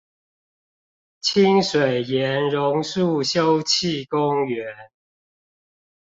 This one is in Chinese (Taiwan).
清水巖榕樹休憩公園